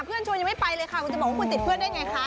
ชวนยังไม่ไปเลยค่ะคุณจะบอกว่าคุณติดเพื่อนได้ไงคะ